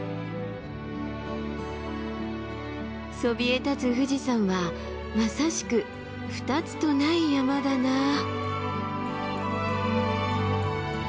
そびえ立つ富士山はまさしく二つとない山だなあ。